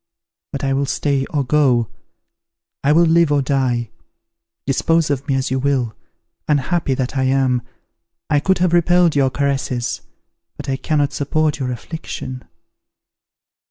But I will stay or go, I will live or die, dispose of me as you will. Unhappy that I am! I could have repelled your caresses; but I cannot support your affliction."